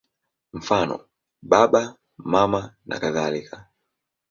Mfano: Baba, Mama nakadhalika.